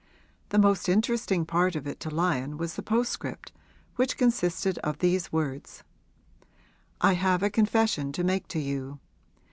The most interesting part of it to Lyon was the postscript, which consisted of these words: 'I have a confession to make to you.